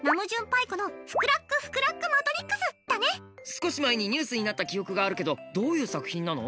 少し前にニュースになった記憶があるけどどういう作品なの？